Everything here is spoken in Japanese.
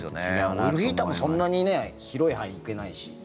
オイルヒーターもそんなに広い範囲いけないし。